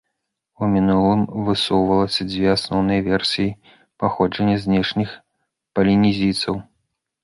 У мінулым высоўвалася дзве асноўныя версіі паходжання знешніх палінезійцаў.